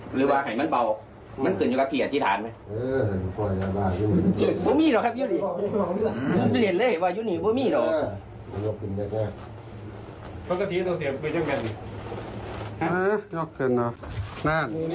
หรือว่าให้มันเบามันขึ้นอยู่กับพี่อธิษฐานไหม